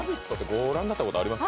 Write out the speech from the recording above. ご覧になったことあります？